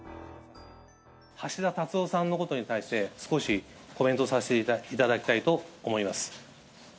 橋田達夫さんのことに対して、少しコメントをさせていただきたいと思います。